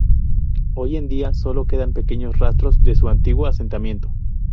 Hoy en día solo quedan pequeños rastros de su antiguo asentamiento.